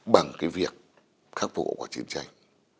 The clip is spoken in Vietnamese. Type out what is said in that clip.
bằng cái việc khắc phục hậu quả chiến tranh